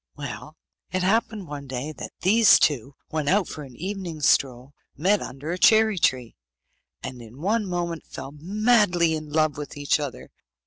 Well, it happened one day that these two, when out for an evening stroll, met under a cherry tree, and in one moment fell madly in love with each other.